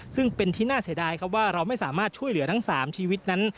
ซึ่งเป็นที่น่าเสียดายครับว่าเราไม่สามารถช่วยเหลือทั้ง๓ชีวิตนั้น